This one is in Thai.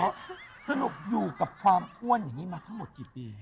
สนุกอยู่กับความอ้วนอย่างนี้มาทั้งหมดกี่ปี